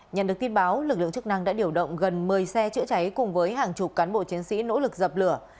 nhận được tin báo lực lượng chức năng đã điều động gần một mươi xe chữa cháy cùng với hàng chục cán bộ chiến sĩ nỗ lực dập lửa